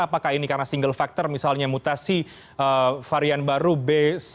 apakah ini karena single factor misalnya mutasi varian baru b satu satu